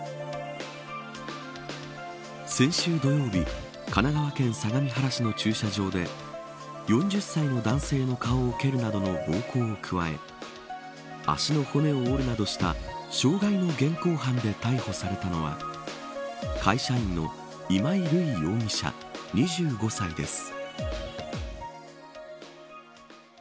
先週土曜日神奈川県相模原市の駐車場で４０歳の男性の顔を蹴るなどの暴行を加え足の骨を折るなどした傷害の現行犯で逮捕されたのは会社員の今井瑠依容疑者、２５歳です。